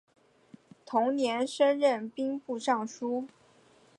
同年升任兵部尚书。